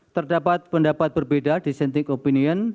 terdapat pendapat berbeda di sentik opinion